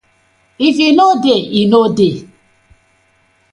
If e didnʼt dey, e didnʼt dey.